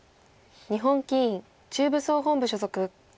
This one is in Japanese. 日本棋院中部総本部所属。